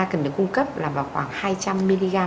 cần được cung cấp là vào khoảng hai trăm linh mg